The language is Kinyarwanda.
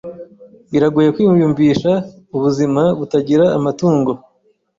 Biragoye kwiyumvisha ubuzima butagira amatungo.